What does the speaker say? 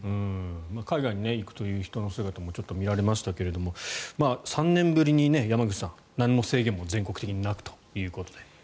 海外に行くという人の姿もちょっと見られましたけれど３年ぶりに山口さん何の制限も全国的になくということで。